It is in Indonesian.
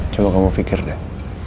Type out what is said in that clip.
coba kamu pikir deh